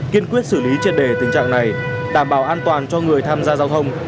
kiên quyết xử lý triệt đề tình trạng này đảm bảo an toàn cho người tham gia giao thông